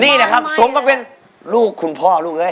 นี่นะครับสมกับเป็นลูกคุณพ่อลูกเอ้ย